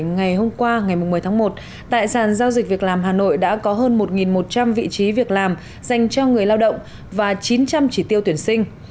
ngày hôm qua ngày một mươi tháng một tại sàn giao dịch việc làm hà nội đã có hơn một một trăm linh vị trí việc làm dành cho người lao động và chín trăm linh chỉ tiêu tuyển sinh